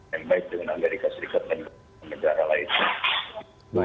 yang baik dengan amerika serikat dan negara lainnya